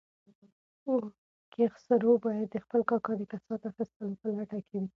کیخسرو خان د خپل کاکا د کسات اخیستلو په لټه کې و.